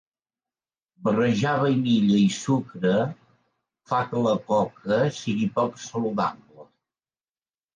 Barrejar vainilla i sucre fa que la coca sigui poc saludable.